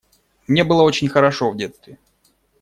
Мне было очень хорошо в детстве.